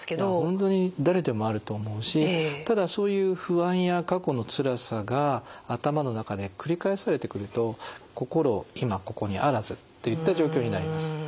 本当に誰でもあると思うしただそういう不安や過去のつらさが頭の中で繰り返されてくると心今・ここにあらずといった状況になります。